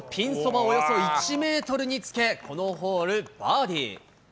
およそ１メートルにつけ、このホール、バーディー。